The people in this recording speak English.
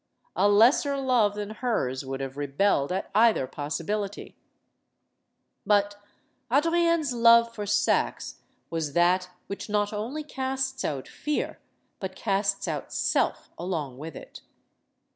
A lesser love than hers would have rebelled at either possibility. But Adrienne's love for Saxe was that which not only casts out fear, but casts out self along witK it.